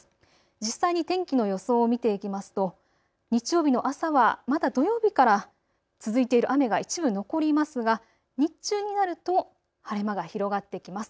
実際に天気の予想を見ていきますと日曜日の朝はまだ土曜日から続いている雨が一部、残りますが日中になると晴れ間が広がってきます。